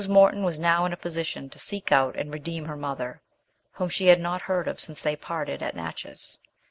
Morton was now in a position to seek out and redeem her mother, whom she had not heard of since they parted at Natchez.